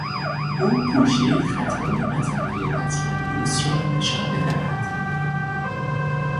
او کوشید خطای نظریهی بطلمیوس را نشان بدهد.